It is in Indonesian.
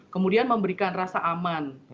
kemudian memberikan rasa aman